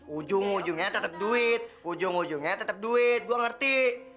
ujung ujungnya tetap duit ujung ujungnya tetap duit gue ngerti